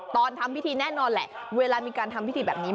ทำพิธีแน่นอนแหละเวลามีการทำพิธีแบบนี้